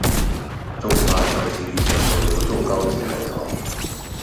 中發票機率比手遊中高級還高